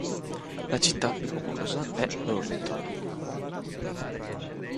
La città più popolosa è Burlington.